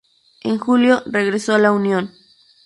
En julio regresó a la "Unión".